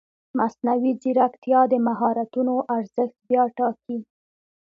مصنوعي ځیرکتیا د مهارتونو ارزښت بیا ټاکي.